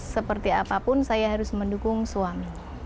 seperti apapun saya harus mendukung suami